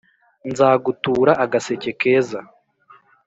Nzagutura agaseke keza